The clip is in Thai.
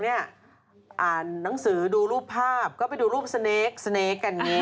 อ่านหนังสือดูรูปภาพก็ไปดูรูปสเนคสเนคกัน